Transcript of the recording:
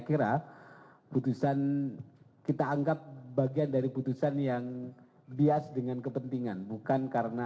kira putusan kita anggap bagian dari putusan yang bias dengan kepentingan bukan karena